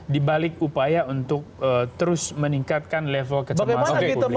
dibalik upaya untuk terus meningkatkan level kesehatan